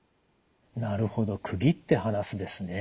なるほど区切って話すですね。